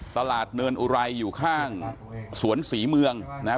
ตลาดเนนท์อุรัยอยู่ข้างสวนศรีเมืองนะฮะ